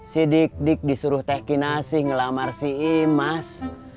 si dik dik disuruh tegi nasi ngelamar si imas